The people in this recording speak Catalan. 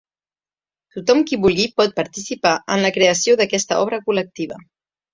Tothom qui vulgui pot participar en la creació d’aquesta obra col·lectiva.